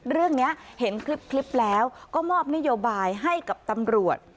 เรื่องนี้เห็นคลิปแล้วก็มอบนโยบายให้กับตำรวจ